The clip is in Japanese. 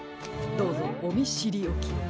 どうぞおみしりおきを。